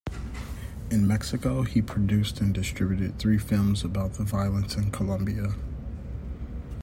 In Mexico he produced and distributed three films about the violence in Colombia.